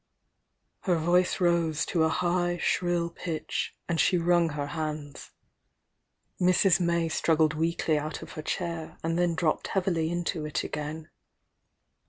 Her voice rose to a high shrill pitch, and she wrunK her hands. * Mrs. May struggled weakly out of her chair, and then dropped heavily into it again.